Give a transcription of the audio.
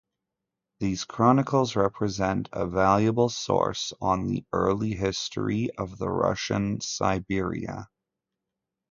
These chronicles represent a valuable source on the early history of the Russian Siberia.